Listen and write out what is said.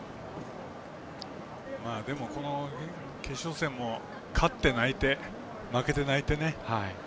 でも、この決勝戦も勝って泣いて負けて泣いてね。